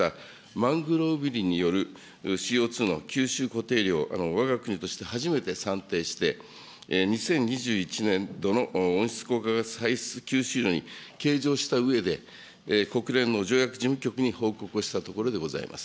マングローブ林によるＣＯ２の吸収固定量を、わが国として初めて算定して、２０２１年度の温室効果ガス排出吸収量に計上したうえで、国連の条約事務局に報告をしたところでございます。